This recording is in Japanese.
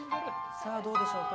さあ、どうでしょうか。